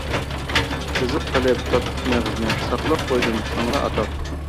تىزىق قىلىپ تاتلىق مېغىزنى، ساقلاپ قويدۇم ساڭىلا ئاتاپ.